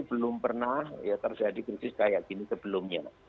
belum pernah ya terjadi krisis kayak gini sebelumnya